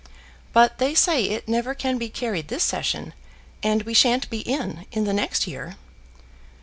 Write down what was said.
But they say it never can be carried this session, and we sha'n't be in, in the next year."